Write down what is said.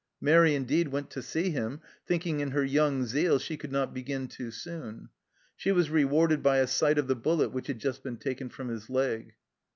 Mairi, indeed, went to see him, thinking in her young zeal she could not begin too soon; she was rewarded by a sight of the bullet which had just been taken from his leg.